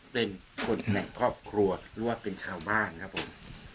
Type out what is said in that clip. เป็นคนแห่งครอบครัวรวดเป็นชาวบ้านครับผม